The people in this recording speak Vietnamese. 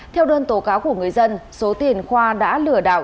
theo đơn tố cáo của người dân số tiền khoa đã lừa đảo